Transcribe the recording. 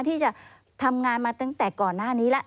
ที่จะทำงานมาตั้งแต่ก่อนหน้านี้แล้ว